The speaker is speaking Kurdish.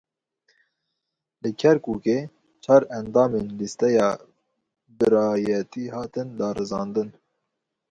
Li Kerkûkê çar endamên lîsteya Birayetî hatin darizandin.